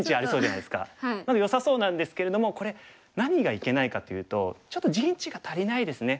なのでよさそうなんですけれどもこれ何がいけないかというとちょっと陣地が足りないですね。